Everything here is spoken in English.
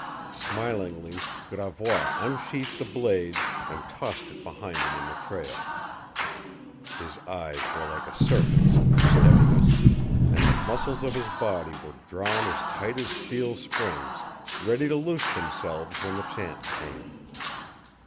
Smilingly Gravois unsheathed the blade and tossed it behind him in the trail. His eyes were like a serpent's in their steadiness, and the muscles of his body were drawn as tight as steel springs, ready to loose themselves when the chance came.